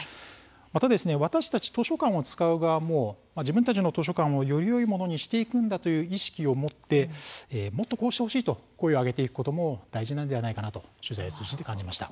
また私たち図書館を使う側も自分たちの図書館をよりよいものにしていくんだという意識を持ってもっとこうしてほしいと声を上げていくことも大事なのではないかなと取材を通じて感じました。